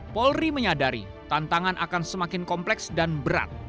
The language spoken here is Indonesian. polri menyadari tantangan akan semakin kompleks dan berat